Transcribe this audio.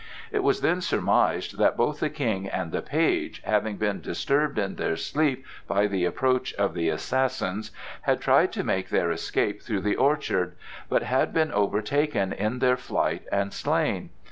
It was then surmised that both the King and the page, having been disturbed in their sleep by the approach of the assassins, had tried to make their escape through the orchard, but had been overtaken in their flight and slain.